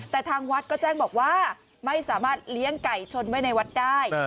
แต่ทางวัดก็แจ้งบอกว่าไม่สามารถเลี้ยงไก่ชนไว้ในวัดได้